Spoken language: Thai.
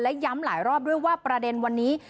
และย้ำหลายรอบด้วยว่าประเด็นวันนี้